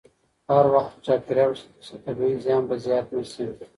هر وخت چې چاپېریال وساتل شي، طبیعي زیان به زیات نه شي.